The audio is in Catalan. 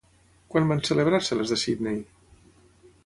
Quan van celebrar-se les de Sydney?